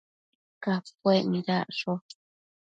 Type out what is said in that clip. Capuec nidacsho